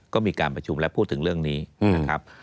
ก็มีการประชุมและพูดถึงเรื่องนี้นะครับ